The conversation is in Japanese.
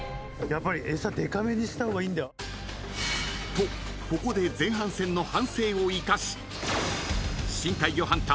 ［とここで前半戦の反省を生かし］